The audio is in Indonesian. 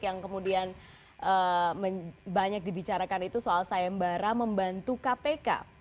yang kemudian banyak dibicarakan itu soal sayembara membantu kpk